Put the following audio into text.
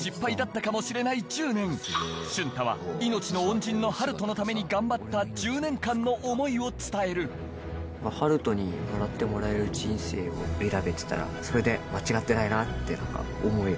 瞬太は命の恩人の春斗のために頑張った１０年間の思いを伝えるまぁ春斗に笑ってもらえる人生を選べてたらそれで間違ってないなって何か思える。